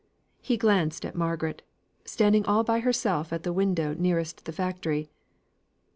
He glanced at Margaret, standing all by herself at the window nearest the factory.